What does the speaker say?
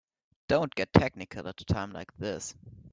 Don't get technical at a time like this.